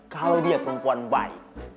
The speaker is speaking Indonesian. kalo dia perempuan baik